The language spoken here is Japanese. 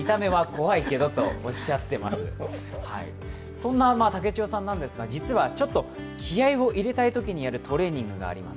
そんな武智代さんなんですが、実はちょっと気合いを入れたいときにやるトレーニングがあります